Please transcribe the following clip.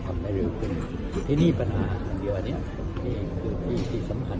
แต่ว่าเรื่องของการที่คนใหม่จะเข้ามาเนี่ยได้คุยกันในสมาธิการ